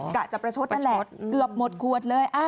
กะจะประชดนั่นแหละเกือบหมดขวดเลย